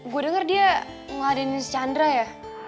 gue denger dia ngeladenin si chandra ya